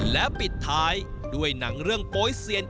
และปิดท้ายด้วยหนังเรื่องโป๊ยเซียน